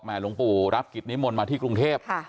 หลวงปู่รับกิจนิมนต์มาที่กรุงเทพ